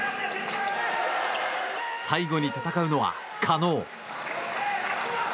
最後に戦うのは、加納。